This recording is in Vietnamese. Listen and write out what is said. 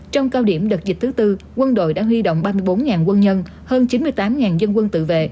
trong cao điểm đợt dịch thứ tư quân đội đã huy động ba mươi bốn quân nhân hơn chín mươi tám dân quân tự vệ